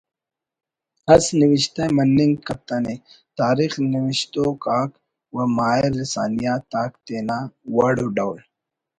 اس نوشتہ مننگ کتنے تاریخ نوشتوک آک و ماہر لسانیات آک تینا وڑ و ڈول